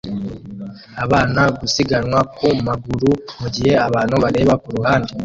Abana gusiganwa ku maguru mugihe abantu bareba kuruhande